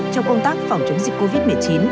trong công tác phòng chống dịch covid một mươi chín